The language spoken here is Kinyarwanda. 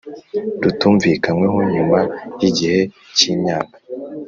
rutumvikanyweho nyuma y igihe cy imyaka